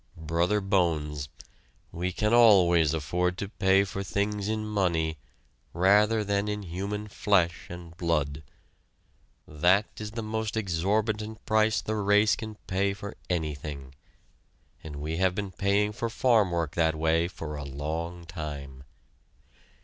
Brother Bones, we can always afford to pay for things in money rather than in human flesh and blood. That is the most exorbitant price the race can pay for anything, and we have been paying for farm work that way for a long time.